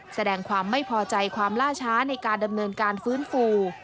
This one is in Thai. แสดงความไม่พอใจความล่าช้าในการดำเนินการฟื้นฟู